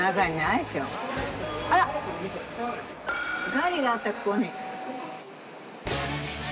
ガリがあったここに。